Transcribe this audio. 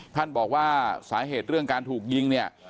ท่านบอกว่าสาเหตุเรื่องการถูกยิงเนี่ย